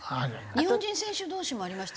日本人選手同士もありましたよね。